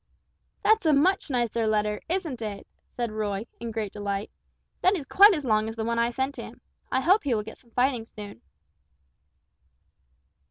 "That's a much nicer letter, isn't it?" said Roy, in great delight; "that is quite as long as the one I sent him. I hope he will get some fighting soon."